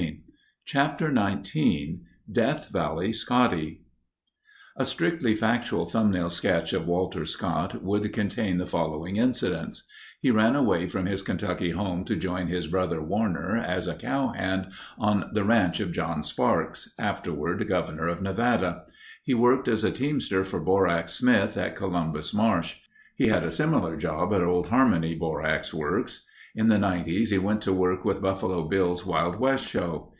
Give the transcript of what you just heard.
_ Chapter XIX Death Valley Scotty A strictly factual thumbnail sketch of Walter Scott would contain the following incidents: He ran away from his Kentucky home to join his brother, Warner, as a cow hand on the ranch of John Sparks—afterward governor of Nevada. He worked as a teamster for Borax Smith at Columbus Marsh. He had a similar job at Old Harmony Borax Works. In the Nineties he went to work with Buffalo Bill's Wild West Show.